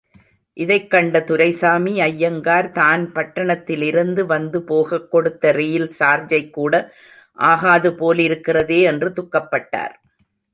இதைக் கண்ட துரைசாமி ஐயங்கார் தான் பட்டணத்திலிருந்து வந்துபோகக் கொடுத்த ரெயில் சார்ஜுகூட ஆகாது போலிருக்கிறதே என்று துக்கப்பட்டார்.